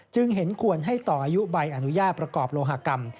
เห็นควรให้ต่ออายุใบอนุญาตประกอบโลหกรรม